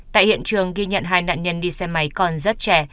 tại hiện trường ghi nhận hai nạn nhân đi xe máy còn rất trẻ